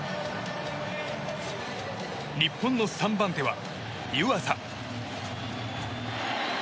日本の３番手は、湯浅。